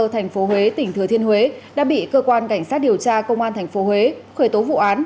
thành phố huế tỉnh thừa thiên huế đã bị cơ quan cảnh sát điều tra công an tp huế khởi tố vụ án